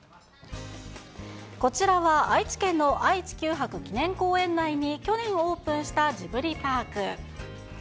こちらは愛知県の愛・地球博記念公園内に去年オープンしたジブリパーク。